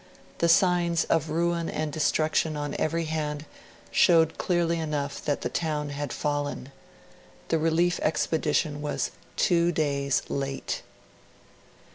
The signs of ruin and destruction on every hand showed clearly enough that the town had fallen. The relief expedition was two days late.